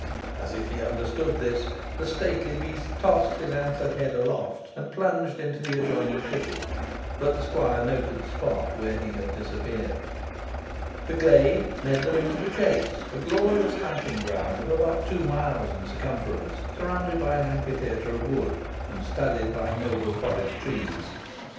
As if he understood him, the stately beast tossed his antlered head aloft, and plunged into the adjoining thicket; but the squire noted the spot where he had disappeared. The glade led them into the chase, a glorious hunting ground of about two miles in circumference, surrounded by an amphitheatre of wood, and studded by noble forest trees.